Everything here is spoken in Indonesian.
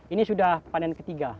ini sudah panen ketiga